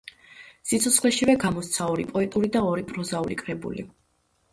სიცოცხლეშივე გამოსცა ორი პოეტური და ორი პროზაული კრებული.